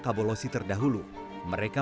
kabolosi terdahulu mereka